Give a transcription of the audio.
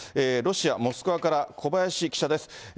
ロシア・モスクワから小林記者です。